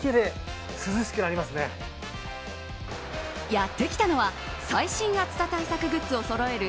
やってきたのは最新暑さ対策グッズをそろえる